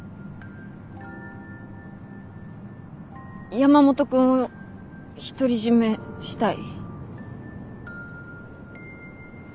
山本君を独り占めしたい。